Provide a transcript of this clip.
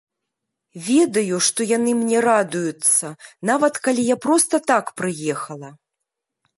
Ведаю, што яны мне радуюцца, нават калі я проста так прыехала.